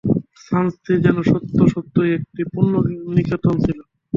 স্থানটি যেন সত্য সত্যই একটি পুণ্যনিকেতন ছিল।